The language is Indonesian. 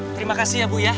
terima kasih ya bu ya